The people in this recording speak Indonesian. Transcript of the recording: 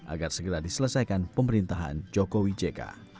agar segera diselesaikan pemerintahan jokowi jk